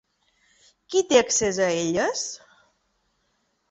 Qui te accés a elles?